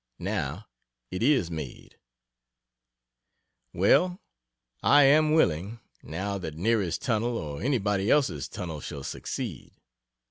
Now, it is made. Well, I am willing, now, that "Neary's tunnel," or anybody else's tunnel shall succeed.